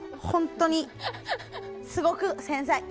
本当にすごく繊細。